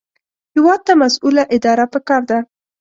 هېواد ته مسؤله اداره پکار ده